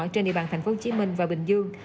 trên địa bàn thành phố hồ chí minh và bình dương